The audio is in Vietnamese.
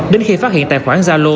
đến khi phát hiện tài khoản zalo